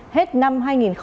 hết năm hai nghìn hai mươi ba